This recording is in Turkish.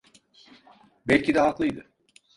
Belki de haklıydı.